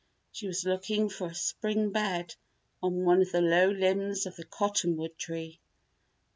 She was looking for a spring bed on one of the low limbs of the cottonwood tree.